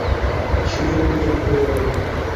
সুচরিতা চুপ করিয়া রহিল।